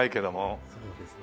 そうですね。